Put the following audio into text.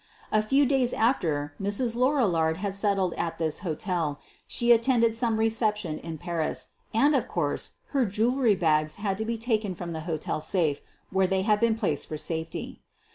A few days after Mrs. Lorillard had settled at this hotel she attended some reception in Paris and, of course, her jewelry bags had to be taken from the hotel safe, where they had been placed for safety.